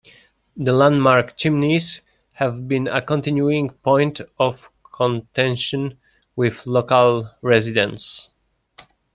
The landmark chimneys have been a continuing point of contention with local residents.